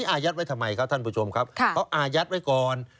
อายัดไว้ทำไมครับท่านผู้ชมครับเขาอายัดไว้ก่อน